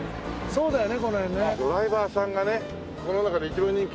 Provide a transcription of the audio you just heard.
そうだよね。